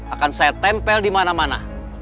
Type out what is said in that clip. akan saya tempel di mana mana